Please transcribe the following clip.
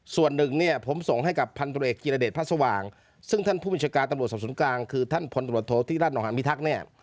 ส่วนหนึ่งเนี่ยผมส่งให้กับพันธุรกิจกิรเดชพระสว่างซึ่งท่านผู้บัญชาการตำรวจสอบสวนกลางคือท่านพลตรวจโทษที่รัฐนองหามิทักษ์เนี่ย